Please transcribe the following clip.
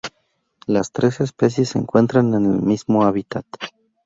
Las tres especies se encuentran en el mismo hábitat.